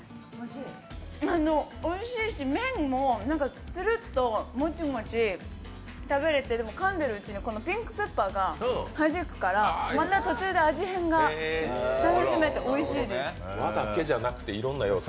おいしいし、麺もつるっともちもち食べれて、でもかんでるうちにピンクペッパーがはじくから途中で味変が楽しめておいしいです